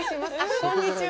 こんにちは。